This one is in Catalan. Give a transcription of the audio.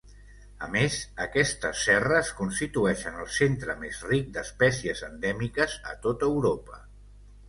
A més, aquestes serres constitueixen el centre més ric d'espècies endèmiques a tot Europa.